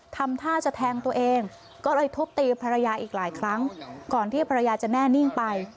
ทำท่าจะแทงตัวเองก็เลยทุบตีภรรยาอีกหลายครั้งก่อนที่ภรรยาจะแน่นิ่งไป